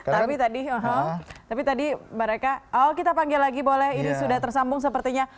tapi tadi tapi tadi mereka oh kita panggil lagi boleh ini sudah tersambung sepertinya